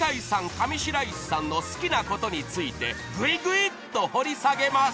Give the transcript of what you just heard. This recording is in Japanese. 上白石さんの好きなことについてグイグイっと掘り下げます］